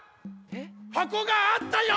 はこがあったよ！